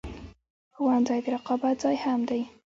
ښوونځی د رقابت ځای هم دی